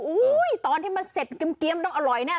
อุ้ยตอนที่มันเสร็จเกรียมอร่อยน่ะ